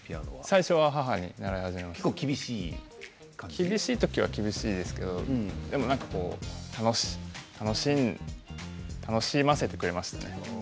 最初は母で厳しい時は厳しいですけど楽しませてくれましたね。